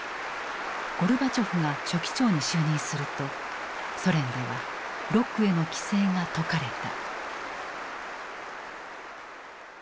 ゴルバチョフが書記長に就任するとソ連ではロックへの規制が解かれた。